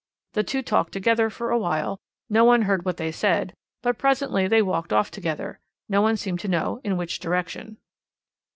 The two talked together for a while; no one heard what they said, but presently they walked off together. No one seemed to know in which direction.